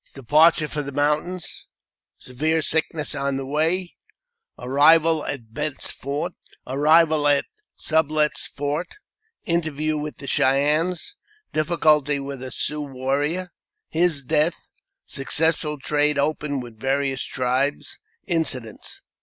Departure for the Mountains — Severe Sickness on the Way — Arrival Bent's Fort — Arrival at Sublet's Fort — Interview with the Cheyennes — Difficulty with a Sioux Warrior — His Death — Successful Trade opened, with various Tribes — Incidents.